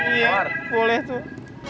iya boleh tuh